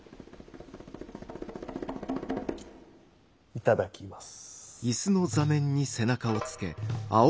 いただきます。